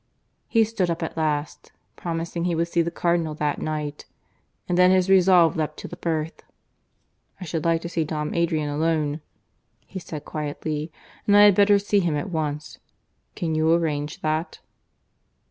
He stood up at last, promising he would see the Cardinal that night; and then his resolve leapt to the birth. "I should like to see Dom Adrian alone," he said quietly; "and I had better see him at once. Can you arrange that?"